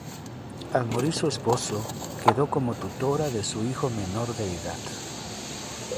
Al morir su esposo quedó como tutora de su hijo menor de edad.